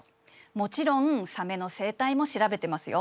もちろんサメの生態も調べてますよ。